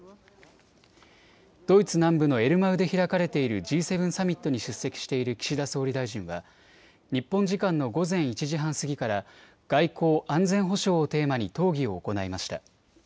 ドイツ南部のエルマウで開かれているＧ７サミットに出席している岸田総理大臣は日本時間の午前１時半過ぎから外交・安全保障をテーマに討議を行いました。